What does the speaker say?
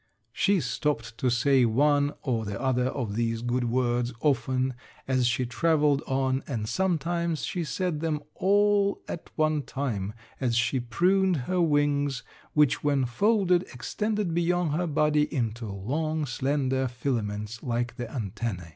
She stopped to say one or the other of these good words often as she traveled on and sometimes she said them all at one time, as she pruned her wings which when folded, extended beyond her body into long, slender filaments like the antennæ.